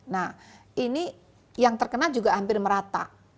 nah ini yang terkena juga hampir merata